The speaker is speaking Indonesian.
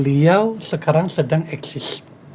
beliau sekarang sedang eksis